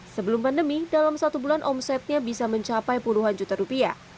sebelum pandemi dalam satu bulan omsetnya bisa mencapai puluhan juta rupiah